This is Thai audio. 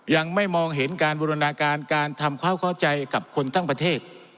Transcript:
ยังไม่มองเห็นการบูรณาการการทำความเข้าใจกับคนทั้งประเทศ